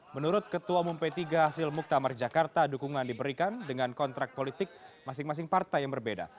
menurut ketua umum p tiga hasil muktamar jakarta dukungan diberikan dengan kontrak politik masing masing partai yang berbeda